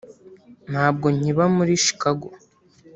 Ntabwo nkiba muri Chicago